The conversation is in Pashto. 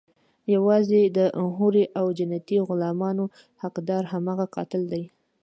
يوازې د حورو او جنتي غلمانو حقدار هماغه قاتل دی.